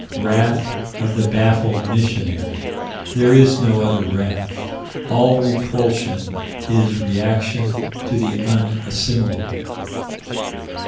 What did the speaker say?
Wrath of the baffled missionary. There is no other wrath. All repulsion is reaction to the unassimilable.